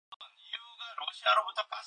동혁은 침대에 반쯤 걸터앉아서 영신의 손을 잡았다.